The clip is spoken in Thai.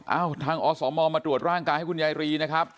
เอ้าทางอสมมาตรวจร่างกายให้คุณยายรีนะครับ